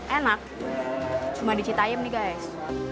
enak cuma di cita yam nih guys